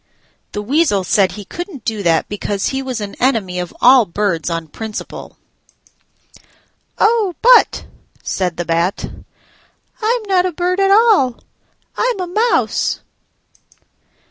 The Weasel said he couldn't do that because he was an enemy of all birds on principle. "Oh, but," said the Bat, "I'm not a bird at all: I'm a mouse."